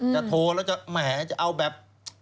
โทรแล้วจะแหมจะเอาแบบ